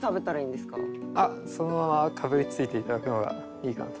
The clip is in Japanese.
そのままかぶりついて頂くのがいいかと。